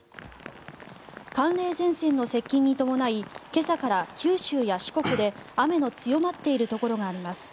寒冷前線の接近に伴い今朝から九州や四国で雨の強まっているところがあります。